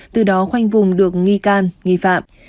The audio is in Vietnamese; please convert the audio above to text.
từ đó khoanh vùng được nghi can nghi phạm